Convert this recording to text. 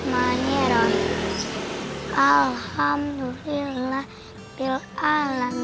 bangkot aku mau ngajit dulu ah